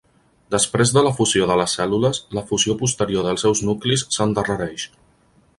Després de la fusió de les cèl·lules, la fusió posterior dels seus nuclis s'endarrereix.